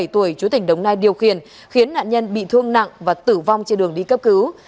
ba mươi tuổi chú tỉnh đồng nai điều khiển khiến nạn nhân bị thương nặng và tử vong trên đường đi cấp cứu